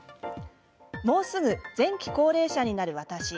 もうすぐ前期高齢者になる私。